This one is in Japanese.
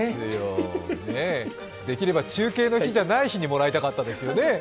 できれば中継の日じゃない日にもらいたかったですよね。